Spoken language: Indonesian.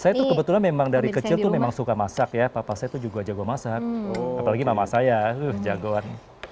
saya tuh kebetulan memang dari kecil tuh memang suka masak ya papa saya tuh juga jago masak apalagi mama saya jagoan